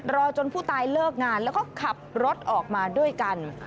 จนผู้ตายเลิกงานแล้วก็ขับรถออกมาด้วยกัน